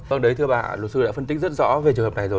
vâng đấy thưa bà luật sư đã phân tích rất rõ về trường hợp này rồi